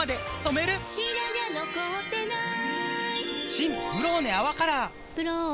新「ブローネ泡カラー」「ブローネ」